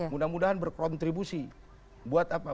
mudah mudahan berkontribusi buat apa